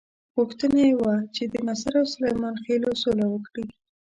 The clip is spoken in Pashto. غوښتنه یې وه چې د ناصرو او سلیمان خېلو سوله وکړي.